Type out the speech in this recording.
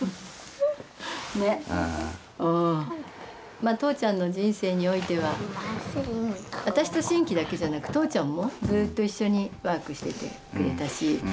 まあ父ちゃんの人生においては私と真気だけじゃなく父ちゃんもずっと一緒にワークしててくれたしね。